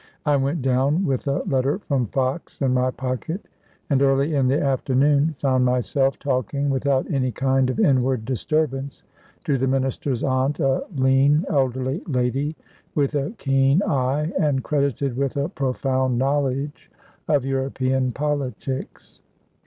I went down with a letter from Fox in my pocket, and early in the afternoon found myself talking without any kind of inward disturbance to the Minister's aunt, a lean, elderly lady, with a keen eye, and credited with a profound knowledge of European politics.